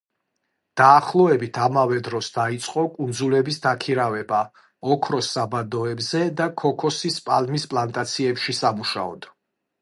დაახლოებით ამავე დროს დაიწყო კუნძულელების დაქირავება ოქროს საბადოებზე და ქოქოსის პალმის პლანტაციებში სამუშაოდ.